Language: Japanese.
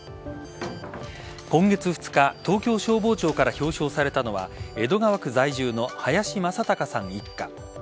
今月２日東京消防庁から表彰されたのは江戸川区在住の林正隆さん一家。